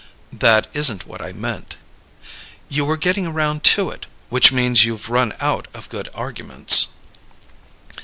"That isn't what I meant " "You were getting around to it which means you've run out of good arguments."